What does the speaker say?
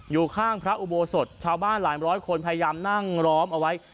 อยู่ข้างพระอุโบสถชาวบ้านหลายร้อยคนพยายามนั่งล้อมเอาไว้